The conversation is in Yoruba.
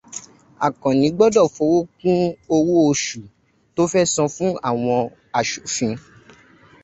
Àkànní gbọ́dọ̀ fowó kún owó oṣù tó fẹ́ san fún àwọn asòfin.